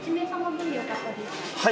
はい。